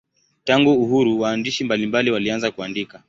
Tangu uhuru waandishi mbalimbali walianza kuandika.